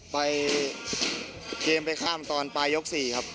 ไปเกมไปข้ามตอนปลายยก๔ครับ